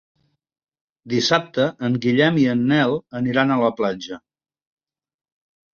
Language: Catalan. Dissabte en Guillem i en Nel aniran a la platja.